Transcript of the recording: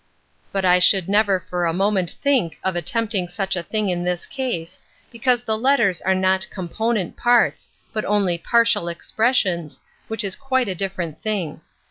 But I Metaphysics 29 should never for a moment think of attempt ing such a thing in this ease, because the letters are not component partSy but only partial expressions, which is quite a dif ferent thing.